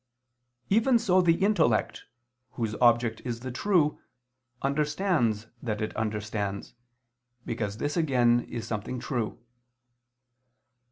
Even so the intellect, whose object is the true, understands that it understands, because this again is something true.